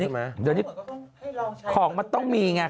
เดี๋ยวนี้ของมันต้องมีไง